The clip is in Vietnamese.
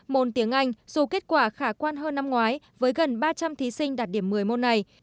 môn tiếng anh dù kết quả khả quan hơn năm ngoái với gần ba trăm linh thí sinh đạt điểm một mươi môn này